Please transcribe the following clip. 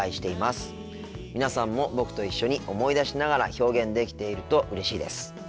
皆さんも僕と一緒に思い出しながら表現できているとうれしいです。